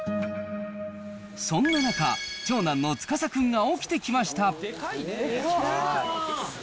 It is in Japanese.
そんな中、長男の司君が起きてきました。